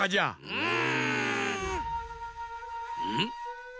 うん？